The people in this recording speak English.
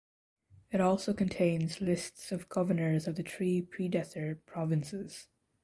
It also contains lists of governors of the three predecessor provinces.